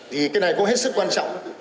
thì cái này cũng hết sức quan trọng